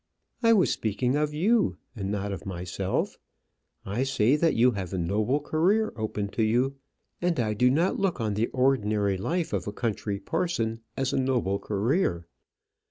"I was speaking of you, and not of myself. I say that you have a noble career open to you, and I do not look on the ordinary life of a country parson as a noble career.